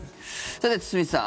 さて、堤さん